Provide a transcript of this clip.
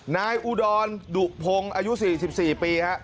นายอุดรดุพงอายุ๔๔ปีครับ